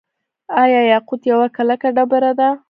آیا یاقوت یوه کلکه ډبره ده؟